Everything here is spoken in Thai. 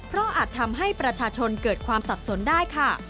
เพราะอาจทำให้ประชาชนเกิดความสับสนได้ค่ะ